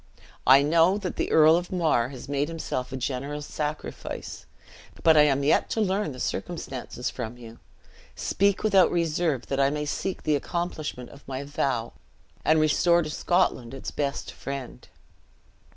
I know that the Earl of Mar has made himself a generous sacrifice, but I am yet to learn the circumstances from you. Speak without reserve, that I may seek the accomplishment of my vow, and restore to Scotland its best friend!"